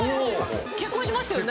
結婚しましたよね。